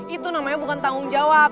itu namanya bukan tanggung jawab